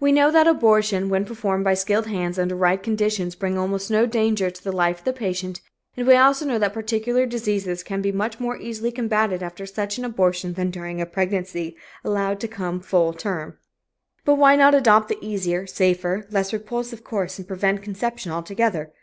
We know that abortion, when performed by skilled hands, under right conditions, brings almost no danger to the life of the patient, and we also know that particular diseases can be more easily combatted after such an abortion than during a pregnancy allowed to come to full term. But why not adopt the easier, safer, less repulsive course and prevent conception altogether?